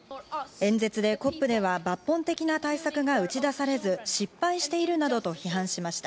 演説でＣＯＰでは抜本的な対策が打ち出されず、失敗しているなどと批判しました。